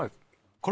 これ。